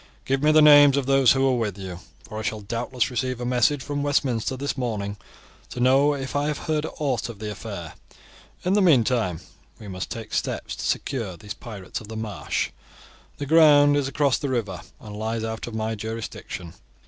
Give me the names of those who were with you, for I shall doubtless receive a message from Westminster this morning to know if I have heard aught of the affair. In the meantime we must take steps to secure these pirates of the marsh. The ground is across the river, and lies out of my jurisdiction."